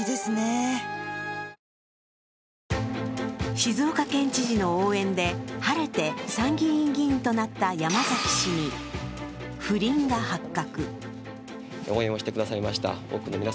静岡県知事の応援で、晴れて参議院銀となった山崎氏に不倫が発覚。